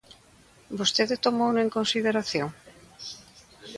¿Vostede tomouno en consideración?